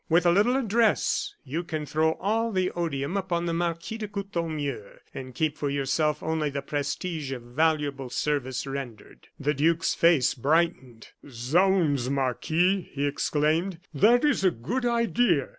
With a little address, you can throw all the odium upon the Marquis de Courtornieu, and keep for yourself only the prestige of valuable service rendered." The duke's face brightened. "Zounds, Marquis!" he exclaimed; "that is a good idea!